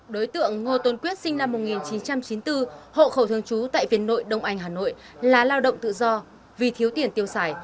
đối tượng ngô tôn quyết sinh năm một nghìn chín trăm chín mươi bốn hộ khẩu thường trú tại viên nội đông anh hà nội là lao động tự do vì thiếu tiền tiêu xài